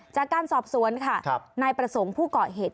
จากการสอบสวนค่ะนายประสงค์ผู้เกาะเหตุ